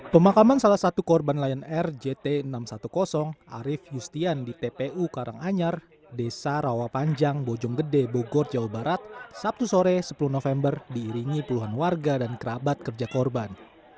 pemakaman salah satu korban lion air jt enam ratus sepuluh arief yustian di tpu karanganyar desa rawapanjang bojonggede bogor jawa barat sabtu sore sepuluh november diiringi puluhan warga dan kerabat kerja korban